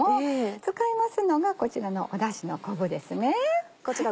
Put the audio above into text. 使いますのがこちらのだしの昆布ですね。